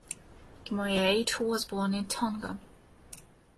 Kemoeatu was born in Tonga.